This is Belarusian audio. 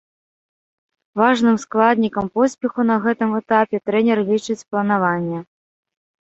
Важным складнікам поспеху на гэтым этапе трэнер лічыць планаванне.